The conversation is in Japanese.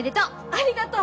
ありがとう。